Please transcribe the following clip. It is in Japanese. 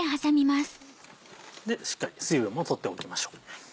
しっかり水分も取っておきましょう。